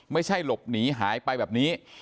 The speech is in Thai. ไม่ใช่หลบหนีหายไปแบบนี้